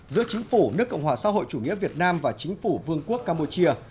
giữa chính phủ nước cộng hòa xã hội chủ nghĩa việt nam và chính phủ vương quốc campuchia